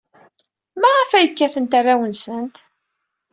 Maɣef ay kkatent arraw-nsent?